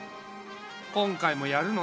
今回もやるのね。